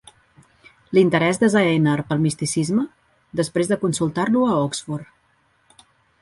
L'interès de Zaehner pel misticisme, després de consultar-lo a Oxford.